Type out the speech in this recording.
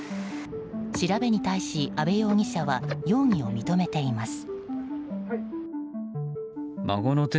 調べに対し阿部容疑者は容疑を認めています。